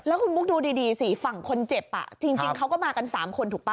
แล้วคุณมุกดูดีสิฝั่งคนเจ็บจริงเขาก็มากัน๓คนถูกป่